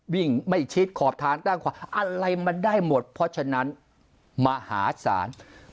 วิ่งไม่ชิดขอบทางด้านขวาอะไรมันได้หมดเพราะฉะนั้นมหาศาล